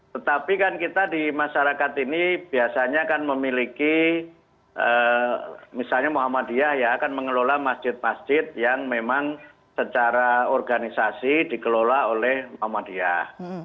tetapi kan kita di masyarakat ini biasanya kan memiliki misalnya muhammadiyah ya akan mengelola masjid masjid yang memang secara organisasi dikelola oleh muhammadiyah